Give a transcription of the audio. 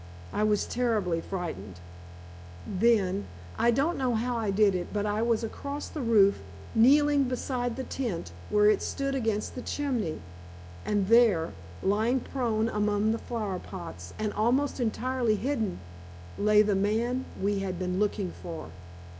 I was terribly frightened. Then I don't know how I did it, but I was across the roof, kneeling beside the tent, where it stood against the chimney. And there, lying prone among the flower pots, and almost entirely hidden, lay the man we had been looking for.